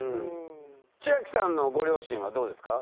千明さんのご両親はどうですか？